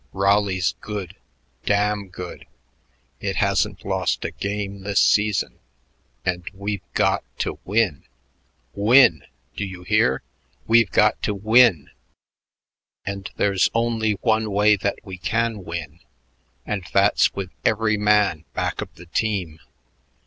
_ Raleigh's good, damn good; it hasn't lost a game this season and we've got to win, win! Do you hear? We've got to win! And there's only one way that we can win, and that's with every man back of the team.